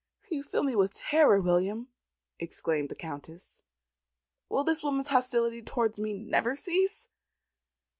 "You fill me with terror, William," exclaimed the Countess. "Will this woman's hostility towards me never cease?"